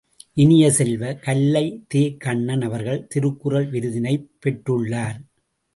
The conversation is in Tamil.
இனிய செல்வ, கல்லை, தே.கண்ணன் அவர்கள் திருக்குறள் விருதினைப் பெற்றுள்ளார்.